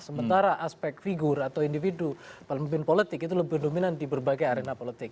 sementara aspek figur atau individu pemimpin politik itu lebih dominan di berbagai arena politik